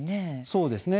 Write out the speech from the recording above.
そうですね。